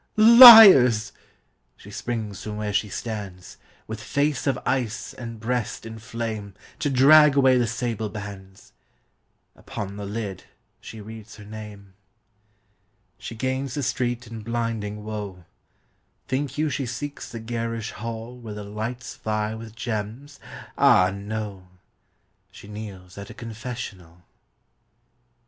" Liars !" She springs from where she stands, With face of ice and breast in flame, To drag away the sable bands : Upon the lid she reads her name. She gains the street in blinding woe : Think you she seeks the garish hall Where the lights vie with gems ? ah no ! She kneels at a confessional.